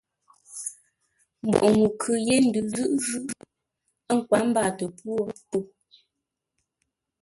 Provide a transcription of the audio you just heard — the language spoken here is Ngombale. Mbwoghʼ ŋuu khʉ yé ndʉ zə́ghʼə́-zʉ́, ə́ nkwát mbáatə pwô po.